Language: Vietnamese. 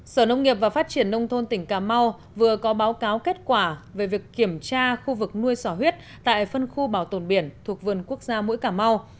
sở nông nghiệp và phát triển nông thôn tỉnh cà mau vừa có báo cáo kết quả về việc kiểm tra khu vực nuôi sỏ huyết tại phân khu bảo tồn biển thuộc vườn quốc gia mũi cà mau